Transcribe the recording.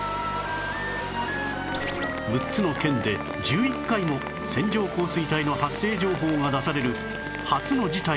６つの県で１１回も線状降水帯の発生情報が出される初の事態となり